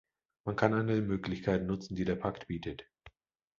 Man kann alle Möglichkeiten nutzen, die der Pakt bietet.